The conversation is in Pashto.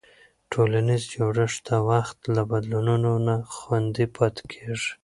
ټولنیز جوړښت د وخت له بدلونونو نه خوندي پاتې کېږي.